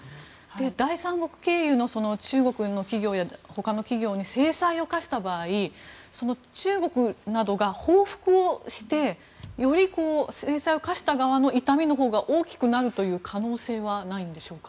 第三国経由の中国などの他の企業に制裁を科した場合中国などが報復をしてより制裁を科した側の痛みのほうが大きくなる可能性はないんでしょうか。